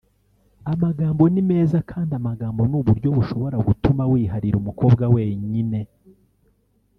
amagambo ni meza kandi amagambo ni uburyo bushobora gutuma wiharira umukobwa wenyine